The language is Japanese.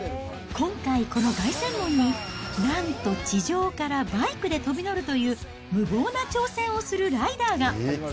今回、この凱旋門に、なんと地上からバイクで飛び乗るという無謀な挑戦をするライダーが。